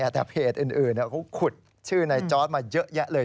แต่เพจอื่นเขาขุดชื่อในจอร์ดมาเยอะแยะเลย